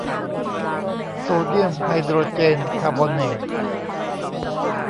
โซเดียมไฮโดรเจนคาร์บอเนต